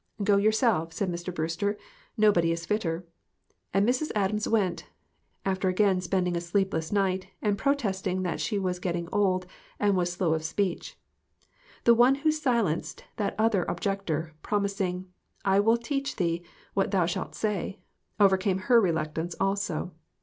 "Go yourself," said Mr. Brewster; "nobody is fitter." And Mrs. Adams went, after again spending a sleepless night, and protesting that she was get ting old, and was "slow of speech." The One who silenced that other objector, promising, "I will teach thee what thou shalt say," overcame her reluctance also.